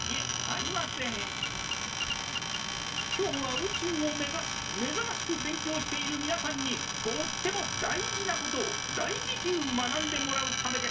今日は宇宙を目指しめざましく勉強しているみなさんにとっても大事なことをだいじきゅう学んでもらうためです。